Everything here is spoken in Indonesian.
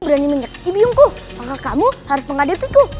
berani menyeksi biungku maka kamu harus menghadapiku